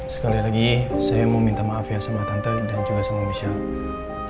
sekali lagi saya mau minta maaf ya sama tante dan juga sama masyarakat